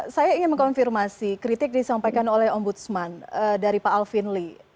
saya ingin mengonfirmasi kritik disampaikan oleh om budsman dari pak alvin lee